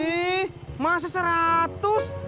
ih masa seratus